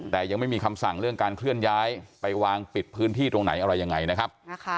แต่ยังไม่มีคำสั่งเรื่องการเคลื่อนย้ายไปวางปิดพื้นที่ตรงไหนอะไรยังไงนะครับ